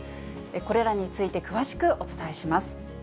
これらについて詳しくお伝えします。